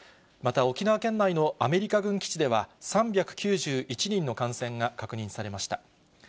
また沖縄県内のアメリカ軍基地では、３９１人の感染が確認されました。